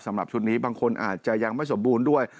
สำหรับชุดนี้บางคนอาจจะยังไม่สมบูรณ์ด้วย